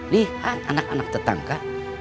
lihat anak anak tetangga